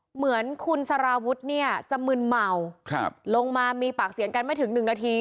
เหมือนคุณสารวุฒิเนี่ยจะมึนเมาลงมามีปากเสียงกันไม่ถึงหนึ่งนาที